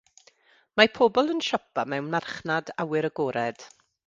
Mae pobl yn siopa mewn marchnad awyr agored.